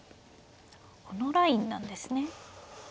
このラインなんですね。